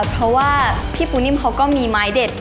เพราะว่าพี่ปูนิ่มเขาก็มีไม้เด็ด